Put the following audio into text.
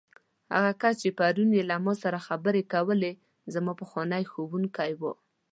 هغه کس چې پرون یې له ما سره خبرې کولې، زما پخوانی ښوونکی و.